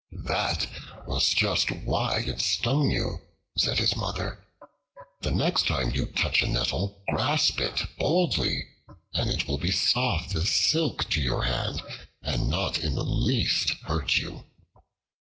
"That was just why it stung you," said his Mother. "The next time you touch a Nettle, grasp it boldly, and it will be soft as silk to your hand, and not in the least hurt you."